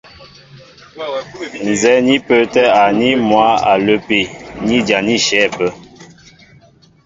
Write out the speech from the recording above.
Ǹzɛ́ɛ́ ní pə́ə́tɛ̄ awaní mwǎ a lə́pi nɛ́ ijaní í shyɛ̌ ápə́.